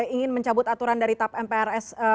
ingin mencabut aturan dari tap mprs